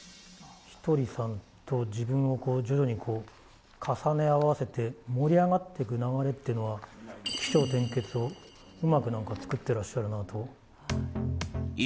ひとりさんと自分を徐々に重ね合わせて盛り上がっていく流れというのは、起承転結をうまく作ってらっしゃるなと。